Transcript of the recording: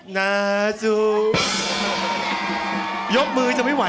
นะซู